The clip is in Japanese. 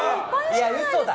嘘だ！